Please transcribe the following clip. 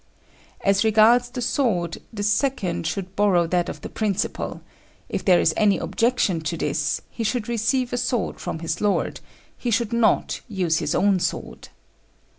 As regards the sword, the second should borrow that of the principal: if there is any objection to this, he should receive a sword from his lord; he should not use his own sword.